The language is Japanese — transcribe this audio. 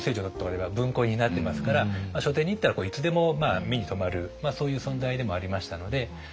辺りは文庫になってますから書店に行ったらいつでも目に留まるそういう存在でもありましたので。